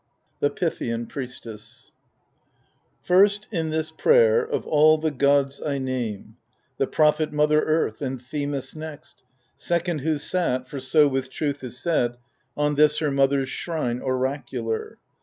The Pythian Priestess First, in this prayer, of all the gods I name The prophet mother Earth ; and Themis next, Second who sat — for so with truth is said — On this her mother's shrine oracular.